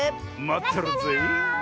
まってるよ！